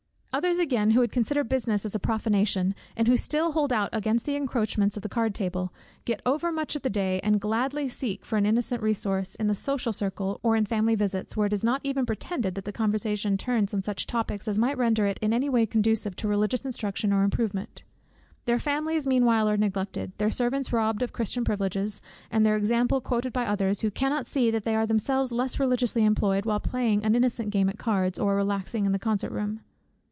Others again who would consider business as a prophanation, and who still hold out against the encroachments of the card table, get over much of the day, and gladly seek for an innocent resource, in the social circle or in family visits, where it is not even pretended that the conversation turns on such topics as might render it in any way conducive to religious instruction, or improvement. Their families meanwhile are neglected, their servants robbed of Christian privileges, and their example quoted by others, who cannot see that they are themselves less religiously employed, while playing an innocent game at cards, or relaxing in the concert room.